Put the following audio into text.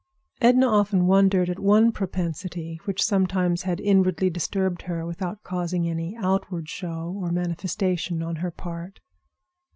Edna often wondered at one propensity which sometimes had inwardly disturbed her without causing any outward show or manifestation on her part.